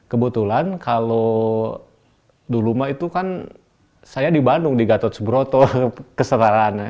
kebetulan kalau dulu itu kan saya di bandung di gatot sebroto keserahannya